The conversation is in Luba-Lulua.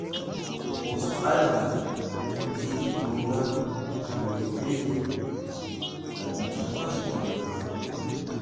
Australie ke ditunga dimuepele didi kabidi ditunga.